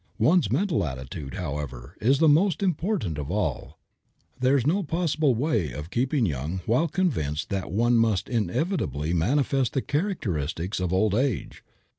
One's mental attitude, however, is the most important of all. There is no possible way of keeping young while convinced that one must inevitably manifest the characteristics of old age.